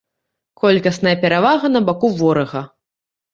Колькасная перавага на баку ворага.